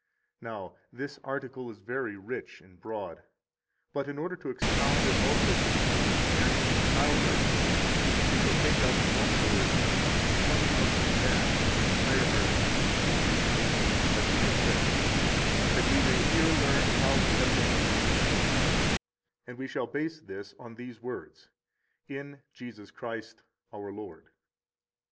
Now, this article is very rich and broad; but in order to expound it also briefly and in a childlike way we shall take up one word and sum up in that the entire article, namely (as we have said), that we may here learn how we have been redeemed; and we shall base this on these words: In Jesus Christ, our Lord.